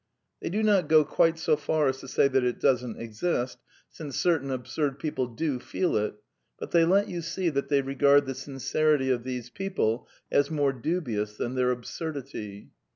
They do not go quite so far as to say that it doesn't exist, since cer tain absurd people do feel it ; but they let you see that they regard the sincerity of these people as more dubious than their absurdity.